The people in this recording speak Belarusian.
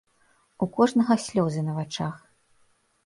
У кожнага слёзы на вачах.